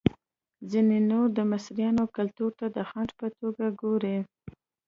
ځینې نور د مصریانو کلتور ته د خنډ په توګه ګوري.